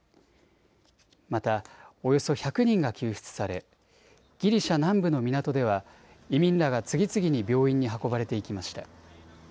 またおよそ１００人が救出されギリシャ南部の港では移民らが次々に病院に運ばれていきました。